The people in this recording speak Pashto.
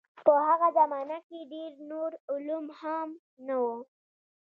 په هغه زمانه کې ډېر نور علوم هم نه وو.